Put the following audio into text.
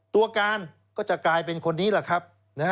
ตัวการก็จะกลายเป็นคนนี้แหละครับ